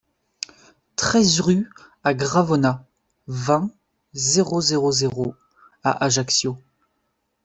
treize rue A Gravona, vingt, zéro zéro zéro à Ajaccio